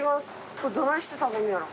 これどないして食べんねやろ？